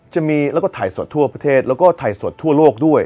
จะมีแล้วก็ถ่ายสดทั่วประเทศแล้วก็ถ่ายสดทั่วโลกด้วย